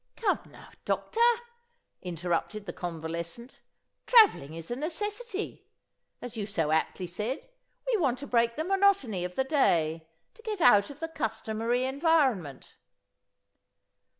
"Come, now, doctor!" interrupted the convalescent, "travelling is a necessity. As you so aptly said, we want to break the monotony of the day to get out of the customary environment."